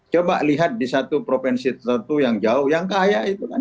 coba lihat di satu provinsi tertentu yang jauh yang kaya itu kan